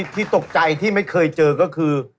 ที่ตกใจที่ไม่เคยเจอก็คือ